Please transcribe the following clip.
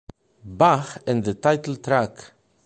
Bach and the title track.